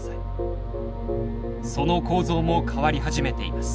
その構造も変わり始めています。